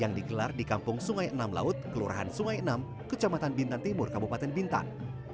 yang digelar di kampung sungai enam laut kelurahan sungai enam kecamatan bintan timur kabupaten bintan